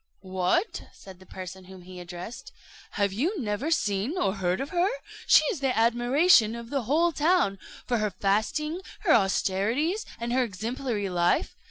"What!" said the person whom he addressed, "have you never seen or heard of her? She is the admiration of the whole town, for her fasting, her austerities, and her exemplary life.